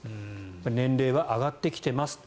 年齢は上がってきています。